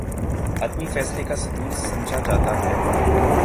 حتمی فیصلے کا صدور سمجھا جاتا ہے